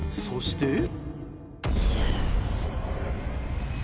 そして。